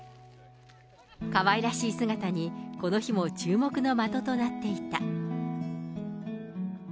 かわいらしい姿に、この日も注目の的となっていた。